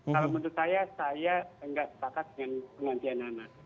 kalau menurut saya saya tidak setakat dengan pengantian anak